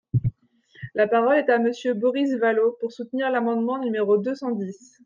La parole est à Monsieur Boris Vallaud, pour soutenir l’amendement numéro deux cent dix.